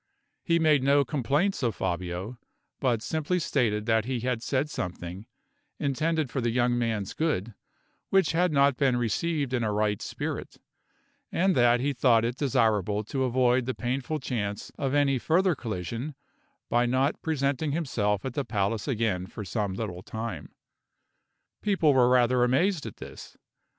He made no complaints of Fabio, but simply stated that he had said something, intended for the young man's good, which had not been received in a right spirit; and that he thought it desirable to avoid the painful chance of any further collision by not presenting himself at the palace again for some little time. People were rather amazed at this.